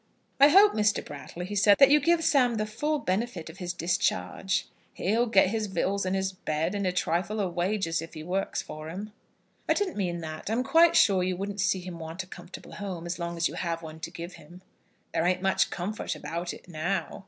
"I hope, Mr. Brattle," he said, "that you give Sam the full benefit of his discharge." "He'll get his vittles and his bed, and a trifle of wages if he works for 'em." "I didn't mean that. I'm quite sure you wouldn't see him want a comfortable home, as long as you have one to give him." "There ain't much comfort about it now."